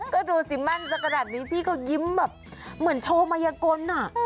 ก็ดูสิแม่นสักขนาดนี้พี่ก็ยิ้มแบบเหมือนโชว์มัยกล